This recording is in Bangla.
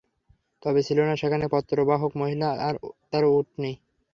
তবে ছিল না সেখানে পত্রবাহক মহিলা আর তার উটনী।